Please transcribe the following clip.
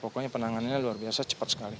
pokoknya penanganannya luar biasa cepat sekali